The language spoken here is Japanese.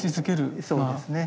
そうですね。